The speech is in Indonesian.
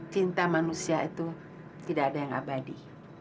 cinta manusia itu tidak ada yang abadi